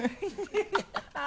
ハハハ